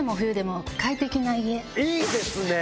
いいですねぇ！